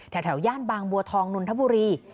แถวย่านบางบัวทองนนทบุรี